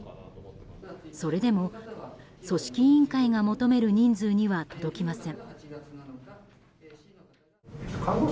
それでも、組織委員会が求める人数には届きません。